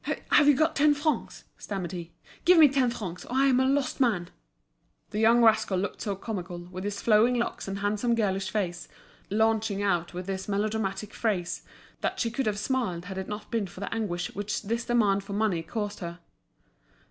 "Have you got ten francs?" stammered he. "Give me ten francs, or I'm a lost man." The young rascal looked so comical, with his flowing locks and handsome girlish face, launching out with this melodramatic phrase, that she could have smiled had it not been for the anguish which this demand for money caused her.